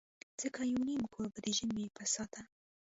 ځکه یو نیم کور به د ژمي پس ساته.